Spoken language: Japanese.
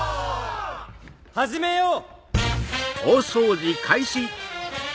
始めよう！